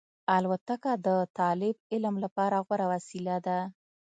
الوتکه د طالب علم لپاره غوره وسیله ده.